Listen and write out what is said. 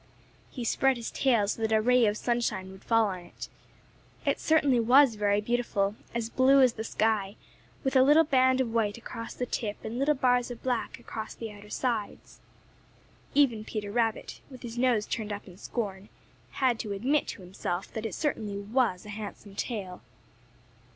He spread his tail so that a ray of sunshine would fall on it. It certainly was very beautiful, as blue as the sky, with a little band of white across the tip and little bars of black across the outer sides. Even Peter Rabbit, with his nose turned up in scorn, had to admit to himself that it certainly was a handsome tail.